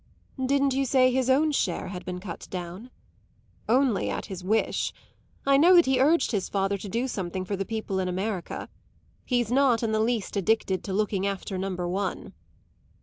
"Didn't you say his own share had been cut down?" "Only at his wish. I know that he urged his father to do something for the people in America. He's not in the least addicted to looking after number one."